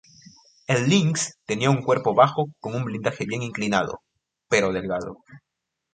El Lynx tenía un cuerpo bajo con un blindaje bien inclinado, pero delgado.